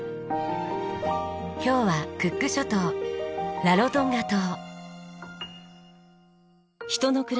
今日はクック諸島ラロトンガ島。